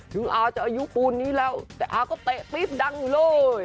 อาจะอายุปูนนี้แล้วแต่อาก็เตะปี๊บดังอยู่เลย